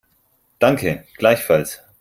Danke, gleichfalls.